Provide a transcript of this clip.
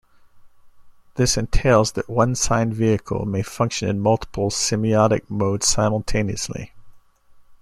This entails that one sign-vehicle may function in multiple semiotic modes simultaneously.